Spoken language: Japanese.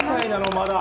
まだ。